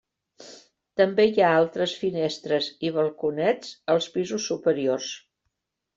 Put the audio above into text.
També hi ha altres finestres i balconets als pisos superiors.